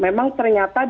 memang ternyata di